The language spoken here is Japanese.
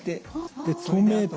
で止めて。